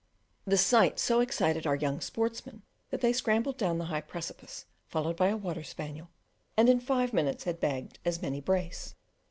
This sight so excited our younger sportsmen that they scrambled down the high precipice, followed by a water spaniel, and in five minutes had bagged as many brace.